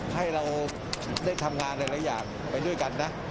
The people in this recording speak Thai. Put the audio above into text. ให้เราได้ทำงานหลายอย่างไปด้วยกันนะ